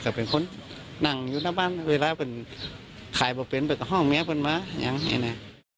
าห้องเนี้ยปนมายหาบินตาบ้างเวลาฉายบองเป็นเป็ดห้องเมี้ยบนบ้างนี่นะ